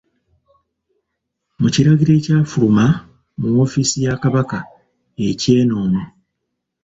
Mu kiragiro ekyafuluma mu woofiisi ya Kabaka eky'ennono.